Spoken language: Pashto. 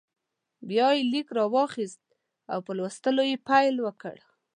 بیا یې لیک راواخیست او په لوستلو یې پیل وکړ.